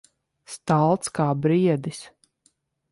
Stalts kā briedis.